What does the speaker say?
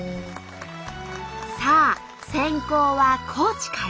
さあ先攻は高知から。